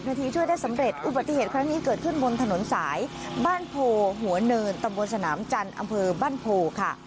ในสมศจิรินาโบราณเพริง